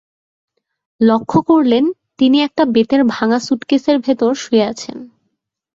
লক্ষ করলেন, তিনি একটা বেতের ভাঙা সুটকেসের ভেতর শুয়ে আছেন।